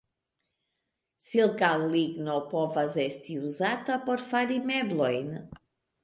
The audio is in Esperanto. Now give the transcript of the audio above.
Silka ligno povas esti uzata por fari meblojn.